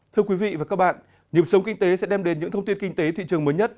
thưa quý vị và các bạn nhiệm sống kinh tế sẽ đem đến những thông tin kinh tế thị trường mới nhất